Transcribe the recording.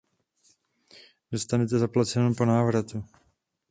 Dostanete zaplaceno po návratu.